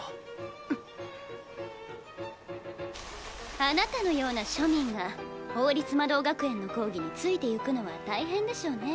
あなたのような庶民が王立魔導学園の講義についてゆくのは大変でしょうね。